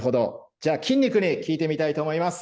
じゃあ、筋肉に聞いてみたいと思います。